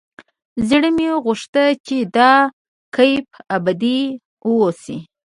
زړه مې غوښت چې دا کيف ابدي واوسي.